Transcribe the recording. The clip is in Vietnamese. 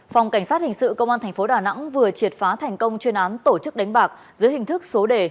phòng cảnh sát hình sự công an tp đà nẵng vừa triệt phá thành công chuyên án tổ chức đánh bạc dưới hình thức số đề